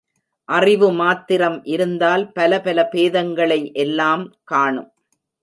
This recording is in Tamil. அறிவு மாத்திரம் இருந்தால் பல பல பேதங்களை எல்லாம் காணும்.